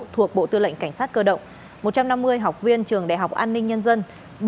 thuộc bộ tư lệnh cảnh sát cơ động một trăm năm mươi học viên trường đại học an ninh nhân dân